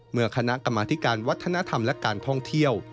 คณะกรรมธิการวัฒนธรรมและการท่องเที่ยว